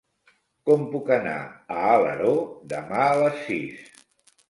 Com puc anar a Alaró demà a les sis?